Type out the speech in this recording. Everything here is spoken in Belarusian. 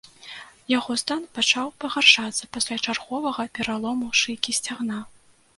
Яго стан пачаў пагаршацца пасля чарговага пералому шыйкі сцягна.